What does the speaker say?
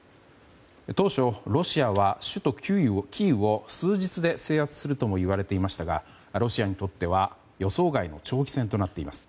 当初、ロシアは首都キーウを数日で制圧するともいわれていましたがロシアにとっては予想外の長期戦となっています。